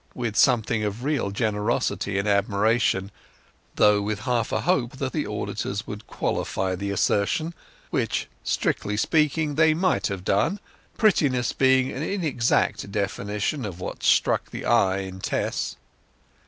with something of real generosity and admiration, though with a half hope that the auditors would qualify the assertion—which, strictly speaking, they might have done, prettiness being an inexact definition of what struck the eye in Tess.